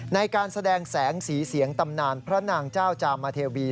ในการแสดงแสงสีเสียงตำนานพระนางเจ้าจามเทวี